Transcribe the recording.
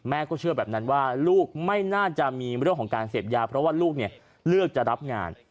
เชื่อแบบนั้นว่าลูกไม่น่าจะมีเรื่องของการเสพยาเพราะว่าลูกเลือกจะรับงาน